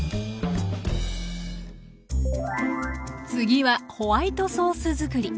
次はホワイトソースづくり。